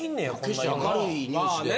決して明るいニュースでは。